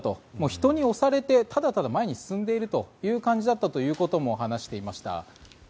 人に押されてただただ前に進んでいるという感じだったということも話していました。